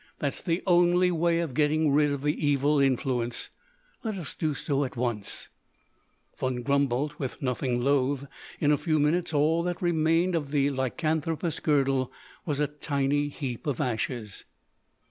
"That's the only way of getting rid of the evil influence. Let us do so at once." Von Grumboldt was nothing loath, and in a few minutes all that remained of the lycanthropous girdle was a tiny heap of ashes.